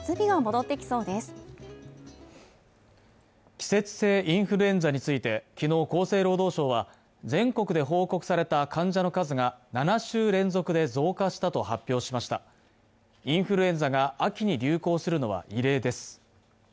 季節性インフルエンザについて昨日、厚生労働省は全国で報告された患者の数が７週連続で増加したと発表しましたインフルエンザが秋に流行するのは異例です。